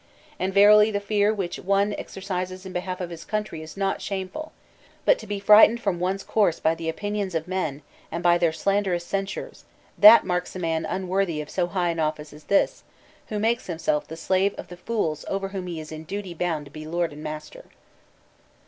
And verily the fear which one exer cises in behalf of his country is not shameful; but to be frightened from one's course by the opinions of men, and by their slanderous censures, that marks a man unworthy of so high an office as this, who makes himself the slave of the fools over whom he is in duty bound to be lord and master."